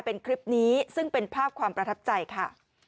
เป็นคลิปนี้ซึ่งเป็นภาพความประทับใจค่ะ